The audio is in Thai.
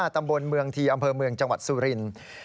ตำบลเมืองทีอำเภอเมืองจังหวัดสุรินทร์